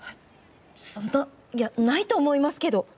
そんないやないと思いますけど。